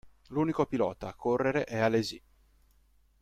L'unico pilota a correre è Alesi.